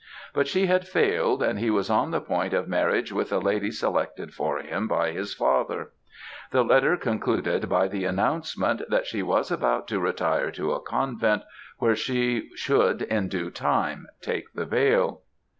But she had failed, and he was on the point of marriage with a lady selected for him by his father. The letter concluded by the announcement, that she was about to retire to a convent where she should, in due time, take the veil.